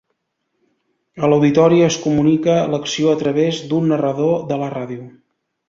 A l'auditori es comunica l'acció a través d'un narrador de la ràdio.